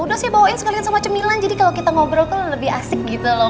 udah saya bawain sekalian sama cemilan jadi kalau kita ngobrol tuh lebih asik gitu loh